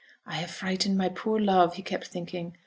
'I have frightened my poor love,' he kept thinking.